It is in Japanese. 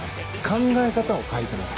考え方も変えてます。